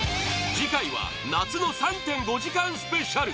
次回は夏の３．５時間スペシャル！